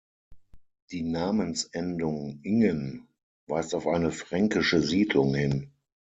Die Namensendung "-ingen" weist auf eine fränkische Siedlung hin.